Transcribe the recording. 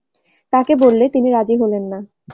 তাঁকে বললে তিনি রাজি হলেন না।